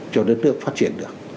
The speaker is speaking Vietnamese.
cho đất nước phát triển được